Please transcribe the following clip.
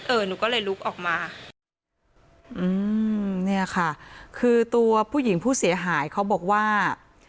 หนูก็เลยลุกออกมาอืมเนี่ยค่ะคือตัวผู้หญิงผู้เสียหายเขาบอกว่า